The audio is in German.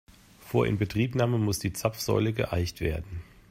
Vor Inbetriebnahme muss die Zapfsäule geeicht werden.